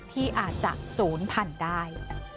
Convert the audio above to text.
ที่อาจจะศูนย์พันธุ์ได้